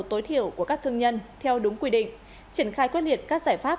tối thiểu của các thương nhân theo đúng quy định triển khai quyết liệt các giải pháp